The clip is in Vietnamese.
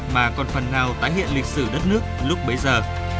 mà còn phần nào tái hiện lịch sử đất nước lúc bấy giờ